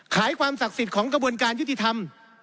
ความศักดิ์สิทธิ์ของกระบวนการยุติธรรม